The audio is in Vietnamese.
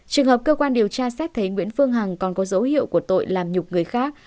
trường hợp cơ quan điều tra xét thấy nguyễn phương hằng còn có dấu hiệu của tội làm nhục người khác